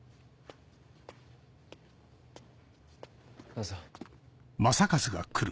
どうぞ。